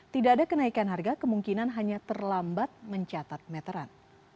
tidak ada kenaikan harga kemungkinan hanya terlambat mencatat meteran